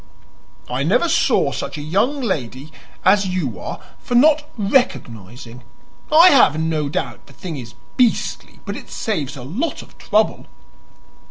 "I never saw such a young lady as you are for not 'recognizing.' I have no doubt the thing is BEASTLY, but it saves a lot of trouble."